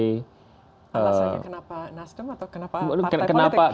alasannya kenapa nasdem atau kenapa partai politik